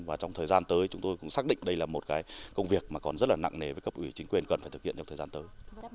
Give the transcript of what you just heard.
và trong thời gian tới chúng tôi cũng xác định đây là một cái công việc mà còn rất là nặng nề với cấp ủy chính quyền cần phải thực hiện trong thời gian tới